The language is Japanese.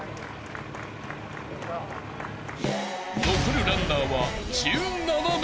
［残るランナーは１７名］